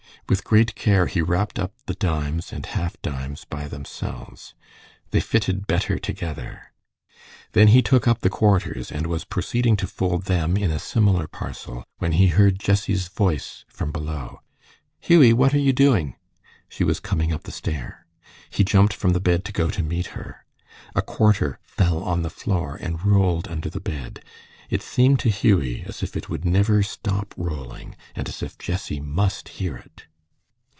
With great care he wrapped up the dimes and half dimes by themselves. They fitted better together. Then he took up the quarters, and was proceeding to fold them in a similar parcel, when he heard Jessie's voice from below. "Hughie, what are you doing?" She was coming up the stair. He jumped from the bed to go to meet her. A quarter fell on the floor and rolled under the bed. It seemed to Hughie as if it would never stop rolling, and as if Jessie must hear it.